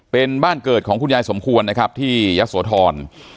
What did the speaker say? เป็นบ้านเกิดของคุณยายสมควรนะครับที่ยะโสธร